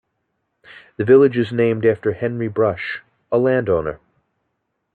The village is named after Henry Brush, a land owner.